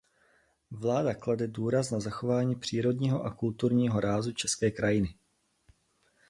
Vláda klade důraz na zachování přírodního a kulturního rázu české krajiny.